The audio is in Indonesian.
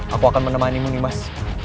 aku akan menemani mu nimas